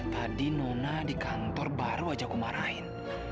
tadi nona di kantor baru aja aku marahin